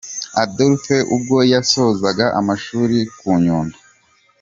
Adolphe ubwo yasozaga amashuri ku Nyundo.